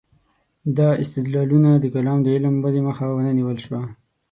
دا استدلالونه د کلام د علم ودې مخه ونه نیول شوه.